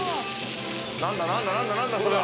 何だ何だ何だ何だそれは。